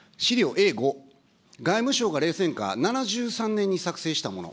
Ａ５、外務省が冷戦下、７３年に作成したもの。